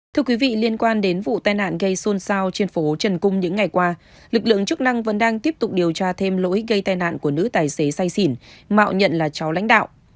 thưa quý vị liên quan đến vụ tai nạn gây xôn xao trên phố trần cung những ngày qua lực lượng chức năng vẫn đang tiếp tục điều tra thêm lỗi gây tai nạn của nữ tài xế say xỉn mạo nhận là cháu lãnh đạo